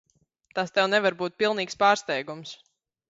Tas tev nevar būt pilnīgs pārsteigums.